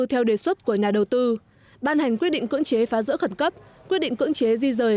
theo đề xuất của nhà đầu tư ban hành quyết định cưỡng chế phá rỡ khẩn cấp quyết định cưỡng chế di rời